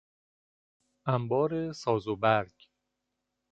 انبار ساز و برگ